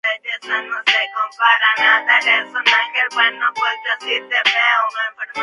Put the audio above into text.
El rey adquirió otro cuadro grande representando la "Vista del Escorial".